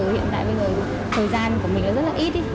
hiện tại thời gian của mình rất ít